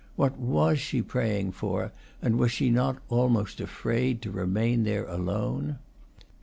What was she praying for, and was she not almost afraid to remain there alone?